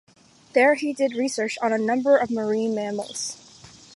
There he did research on a number of marine mammals.